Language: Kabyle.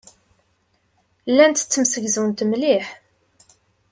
Llant ttemsegzunt mliḥ.